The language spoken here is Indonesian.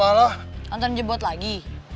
arsen gw jemput lagi